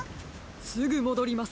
すぐもどります。